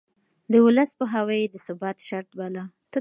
د ولس پوهاوی يې د ثبات شرط باله.